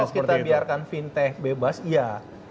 kalau kita biarkan fintech bebas iya